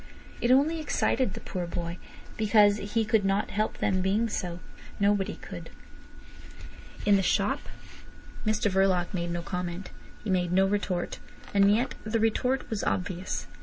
It only excited the poor boy, because he could not help them being so. Nobody could. It was in the shop. Mr Verloc made no comment. He made no retort, and yet the retort was obvious.